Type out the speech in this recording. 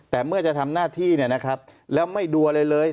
แต่เมื่อจะทำหน้าที่เนี่ยนะครับแล้วไม่ดูอะไรเลย